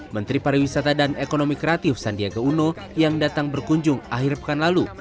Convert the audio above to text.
menteri pariwisata dan ekonomi kreatif sandiaga uno yang datang berkunjung akhir pekan lalu